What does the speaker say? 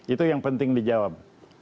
itu yang penting dijawab